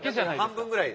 半分ぐらい。